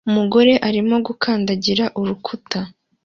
Umugore arimo gukandagira urukuta